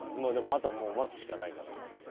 あとはもう待つしかないからな。